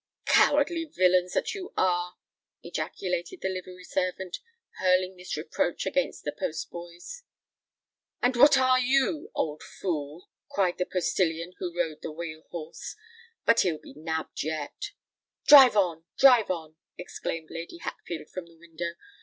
"Cowardly villains that you are!" ejaculated the livery servant, hurling this reproach against the postboys. "And what are you, old fool?" cried the postillion who rode the wheel horse. "But he'll be nabbed yet." "Drive on—drive on!" exclaimed Lady Hatfield from the window.